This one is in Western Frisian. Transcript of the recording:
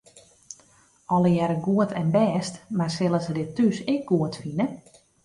Allegearre goed en bêst, mar sille se dit thús ek goed fine?